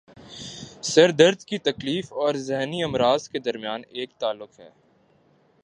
سر درد کی تکلیف اور ذہنی امراض کے درمیان ایک تعلق ہے